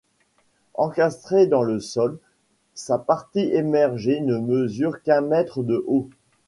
Encastrée dans le sol, sa partie émergée ne mesure qu’un mètre de haut.